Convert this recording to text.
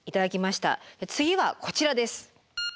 次はこちらです。